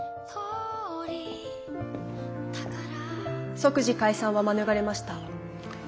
即時解散は免れました。